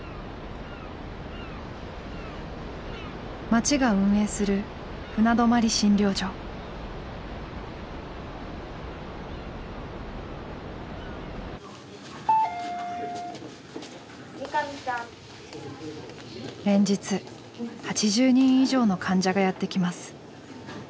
町が運営する連日８０人以上の患者がやって来ます。